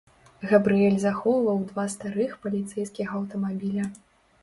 Габрыэль захоўваў два старых паліцэйскіх аўтамабіля.